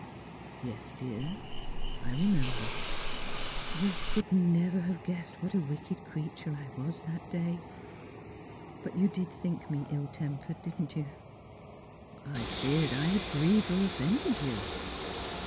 Yes, dear, I remember." "You could never have guessed what a wicked creature I was that day. But you did think me ill tempered, didn't you?" " I feared I had grieved or offended you."